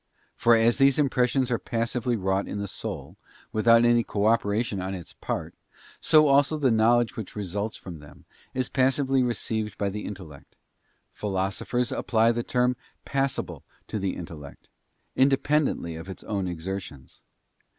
For as these impressions are passively wrought in the soul, without any cooperation on its part; so also the knowledge which results from them, is passively received by the intellect—Philosophers apply the term passible to THE INTELLECT CAUTIONED. 203 the intellect—independently of its own exertions.